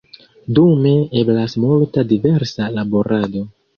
Dume eblas multa diversa laborado.